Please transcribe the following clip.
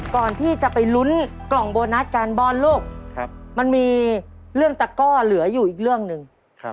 ก่อนที่จะไปลุ้นกล่องโบนัสกันบอลลูกมันมีเรื่องตะก้อเหลืออยู่อีกเรื่องหนึ่ง